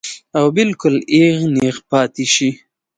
او بالکل اېغ نېغ پاتې شي -